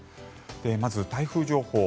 まず台風情報。